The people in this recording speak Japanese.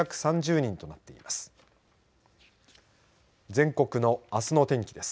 全国のあすの天気です。